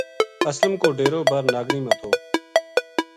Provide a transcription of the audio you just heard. اسلم کو ڈیرو بر ناگنی ما تھو